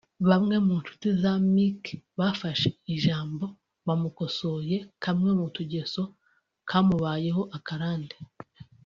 Bamwe mu nshuti za Mike bafashe ijambo bamukosoye kamwe mu tugeso kamubayeho akarande